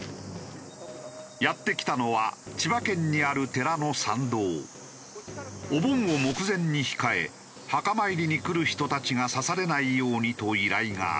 やって来たのはお盆を目前に控え墓参りに来る人たちが刺されないようにと依頼があった。